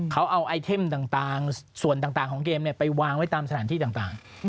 เขาเอาไอเทมต่างส่วนต่างของเกมไปวางไว้ตามสถานที่ต่าง